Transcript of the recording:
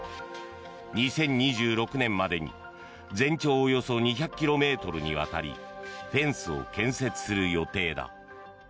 ２０２６年までに全長およそ２００ｋｍにわたりフェンスを建設する予定だ。